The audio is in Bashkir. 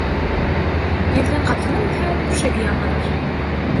Ирҙең ҡатыны үлһә, түшәге яңырыр.